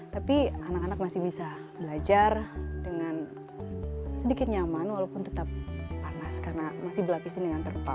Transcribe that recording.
tapi anak anak masih bisa belajar dengan sedikit nyaman walaupun tetap panas karena masih berlapisin dengan terpal